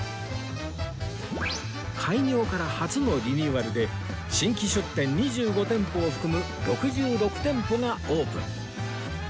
開業から初のリニューアルで新規出店２５店舗を含む６６店舗がオープン